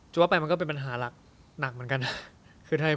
ว่าไปมันก็เป็นปัญหาหลักเหมือนกันนะ